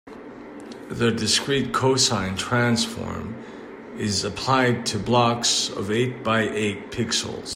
The discrete cosine transform is applied to blocks of eight by eight pixels.